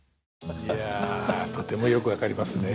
いやとてもよく分かりますね。